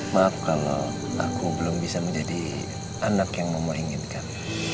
maaf kalau aku belum bisa menjadi anak yang mama inginkan